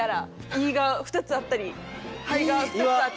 胃が２つあったり肺が２つあったり。